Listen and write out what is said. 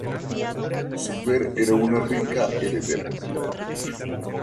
Su mujer era una rica heredera.